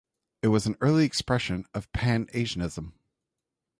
It was an early expression of Pan-Asianism.